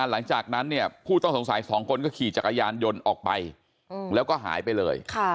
หลังจากนั้นเนี่ยผู้ต้องสงสัย๒คนก็ขี่จักรยานยนต์ออกไปแล้วก็หายไปเลย